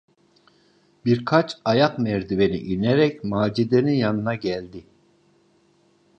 Birkaç ayak merdiveni inerek Macide’nin yanına geldi.